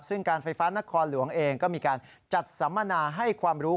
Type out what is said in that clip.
ซึ่งการไฟฟ้านครหลวงเองก็มีการจัดสัมมนาให้ความรู้